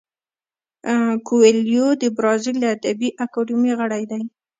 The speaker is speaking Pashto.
کویلیو د برازیل د ادبي اکاډمۍ غړی دی.